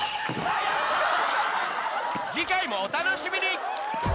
次回もお楽しみに！